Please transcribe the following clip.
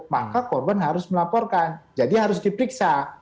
maka korban harus melaporkan jadi harus diperiksa